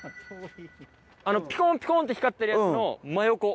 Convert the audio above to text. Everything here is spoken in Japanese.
あのピコンピコンって光ってるやつの真横。